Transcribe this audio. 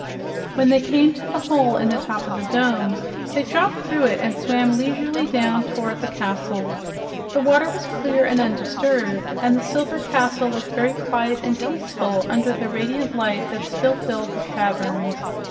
When they came to the hole in the top of the dome, they dropped through it and swam leisurely down toward the castle. The water was clear and undisturbed and the silver castle looked very quiet and peaceful under the radiant light that still filled the cavern.